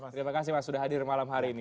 terima kasih mas sudah hadir malam hari ini